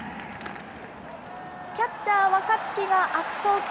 キャッチャー、若月が悪送球。